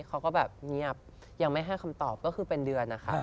เขาก็แบบเงียบยังไม่ให้คำตอบก็คือเป็นเดือนนะคะ